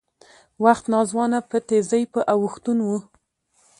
وخت ناځوانه په تېزۍ په اوښتون و